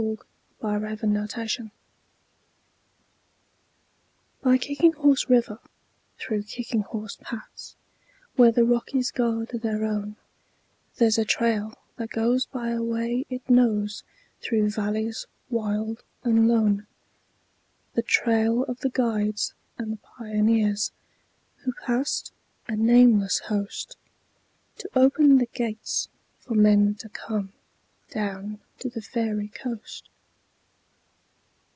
SONG OF THE KICKING HORSE By Kicking Horse River, through Kicking Horse Pass, Where the Rockies guard their own, There's a trail that goes by a way it knows Through valleys wild and lone,— The trail of the guides and the pioneers Who passed—a nameless host— To open the gates for men to come Down to the Fairy Coast.